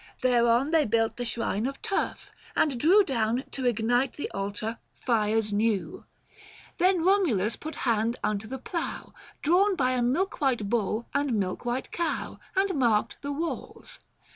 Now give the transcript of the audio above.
Thereon they built the shrine of turf, and drew Down, to ignite the altar, fires new. Book IV. THE FASTI. 135 Then Romulus put hand unto the plough 955 Drawn by a milkwhite bull and milkwhite cow, And marked the walls.